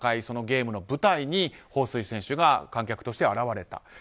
そのゲームの舞台にホウ・スイ選手が観客として現れた。